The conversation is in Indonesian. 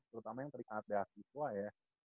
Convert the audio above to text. terutama yang terikat di asi tua ya